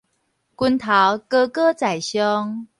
拳頭高高在上